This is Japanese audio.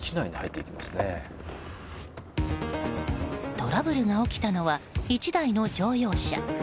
トラブルが起きたのは１台の乗用車。